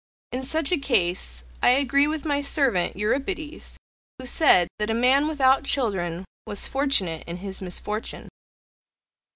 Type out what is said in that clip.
In such a case, I agree with my servant Euripides, who said that a man without children was fortunate in his misfortune.'